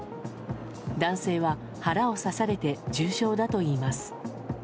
男性は腹を刺されて重傷だといいます。